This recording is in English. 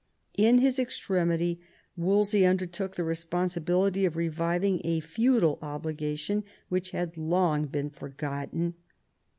In his extremity Wolsey undertook the responsibility of reviving a feudal obliga tion which had long been forgotten.